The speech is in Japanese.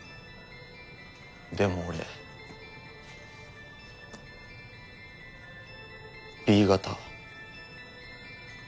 でも俺Ｂ型。